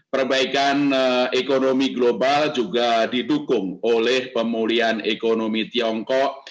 perbaikan ekonomi global juga didukung oleh pemulihan ekonomi tiongkok